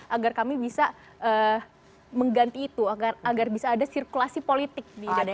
agar kami bisa mengganti itu agar bisa ada sirkulasi politik di jakarta